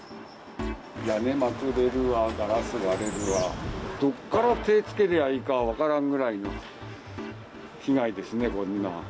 屋根まくれるわ、ガラス割れるわ、どっから手つけりゃいいか、分からんぐらいの被害ですね、困難。